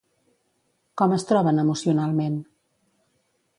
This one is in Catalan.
Com es troben emocionalment?